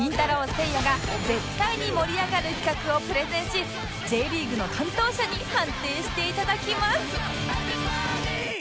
せいやが絶対に盛り上がる企画をプレゼンし Ｊ リーグの担当者に判定して頂きます